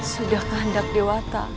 sudah kehendak dewata